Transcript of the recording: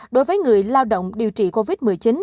đối với người lao động điều trị covid một mươi chín